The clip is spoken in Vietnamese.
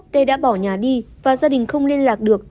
tê đã bỏ nhà đi và gia đình không liên lạc được